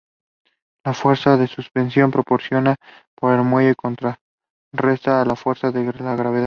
La fuerza de suspensión proporcionada por el muelle contrarresta la fuerza de la gravedad.